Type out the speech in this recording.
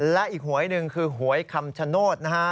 แล้วอีกหวยหนึ่งคือหวยคำฉโน้ดนะ